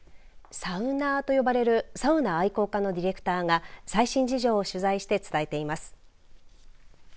サウナーと呼ばれるサウナ愛好家のディレクターが最新事情を取材して伝えています。